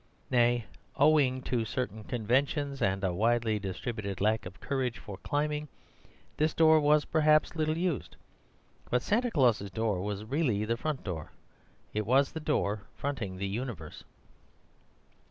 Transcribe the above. Nay, owing to certain conventions, and a widely distributed lack of courage for climbing, this door was, perhaps, little used. But Santa Claus's door was really the front door: it was the door fronting the universe.